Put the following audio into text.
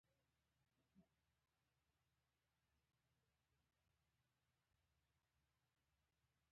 زه د لیک د مخاطب نوم لیکم.